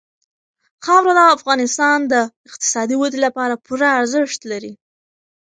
خاوره د افغانستان د اقتصادي ودې لپاره پوره ارزښت لري.